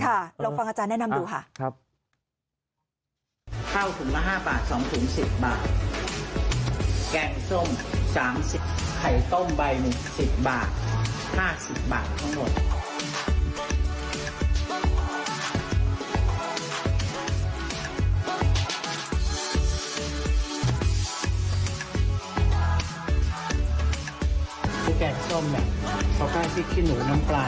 ลองฟังอาจารย์แนะนำดูค่ะ